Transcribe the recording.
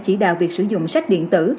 chỉ đạo việc sử dụng sách điện tử